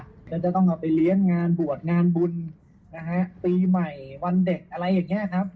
แล้วจะต้องเอาไปเลี้ยงงานบวชงานบุญนะฮะปีใหม่วันเด็กอะไรอย่างนี้ครับ